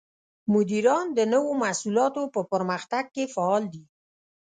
مدیران د نوو محصولاتو په پرمختګ کې فعال دي.